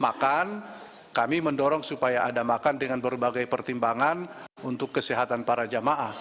makan kami mendorong supaya ada makan dengan berbagai pertimbangan untuk kesehatan para jamaah